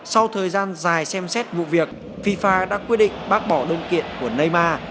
sau thời gian dài xem xét vụ việc fifa đã quyết định bác bỏ đơn kiện của neymar